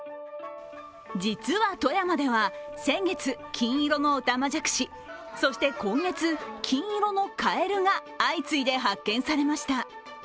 実は富山では先月金色のオタマジャクシそして今月、金色のカエルが相次いで発見されました。